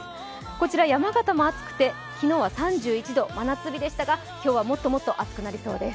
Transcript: こちら山形も暑くて、昨日は３１度真夏日でしたが、今日はもっともっと暑くなりそうです。